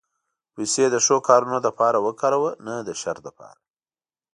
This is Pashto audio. پېسې د ښو کارونو لپاره وکاروه، نه د شر لپاره.